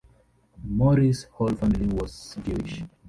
Morrie's whole family was Jewish.